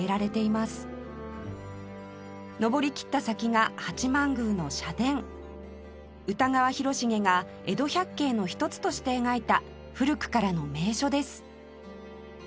上り切った先が八幡宮の社殿歌川広重が江戸百景の一つとして描いた古くからの名所です